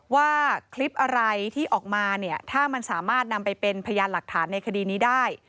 ว่าคลิปอะไรที่ออกมาเนี่ยถ้ามันสามารถนำไปเป็นพยานหลักฐานในคดีนี้ได้